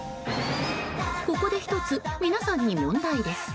ここで１つ、皆さんに問題です。